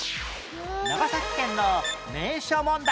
長崎県の名所問題